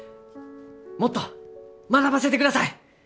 もっと学ばせてください！